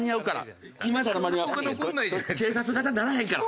警察沙汰にならへんから。